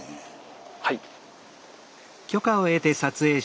はい。